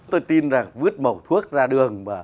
tôi tin là vứt mẩu thuốc ra đường